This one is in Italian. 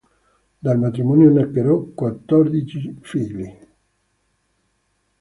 Dal matrimonio nacquero quattordici figli.